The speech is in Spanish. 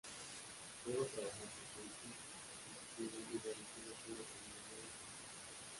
Luego trabajó con Dizzy Gillespie y realizó una gira con Lionel Hampton.